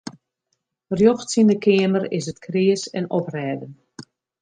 Rjochts yn de keamer is it kreas en oprêden.